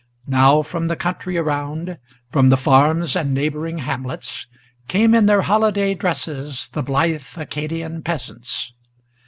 Now from the country around, from the farms and neighboring hamlets, Came in their holiday dresses the blithe Acadian peasants.